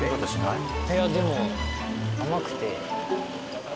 いやでも甘くて。